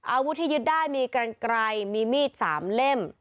อาวุธที่ยึดได้มีกรรค์ไกรมีดสามเล่ม